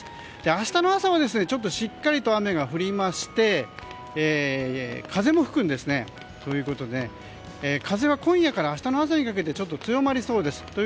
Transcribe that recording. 明日の朝はしっかりと雨が降りまして風も吹くんですね。ということで、風は今夜から明日の朝にかけて強まりそうです。